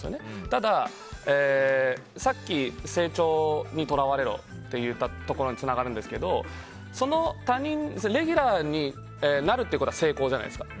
ただ、さっき成長にとらわれろと言ったところにつながるんですけどレギュラーになるということは成功じゃないですか。